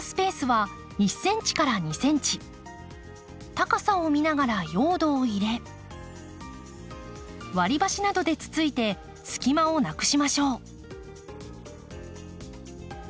高さを見ながら用土を入れ割り箸などでつついて隙間をなくしましょう。